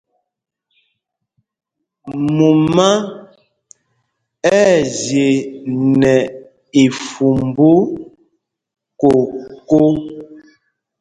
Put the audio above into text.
Mumá ɛ̂ zye nɛ ifumbú koko.